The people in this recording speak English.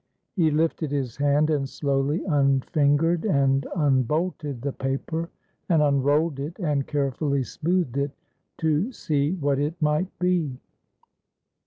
He lifted his hand and slowly unfingered and unbolted the paper, and unrolled it, and carefully smoothed it, to see what it might be.